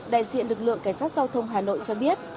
đại diện lực lượng cảnh sát giao thông hà nội cho biết